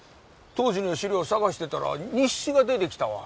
当時の資料探してたら日誌が出て来たわ。